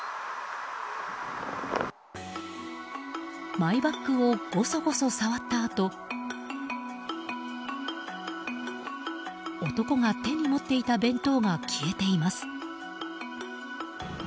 マイバッグをごそごそ触ったあと男が手に持っていた弁当が消えています。